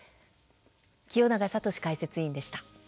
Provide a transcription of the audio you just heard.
清永聡解説委員でした。